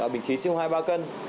bình khí siêu hai ba cân